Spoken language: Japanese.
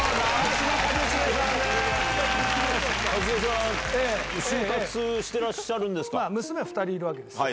一茂さん終活してらっしゃるんですか？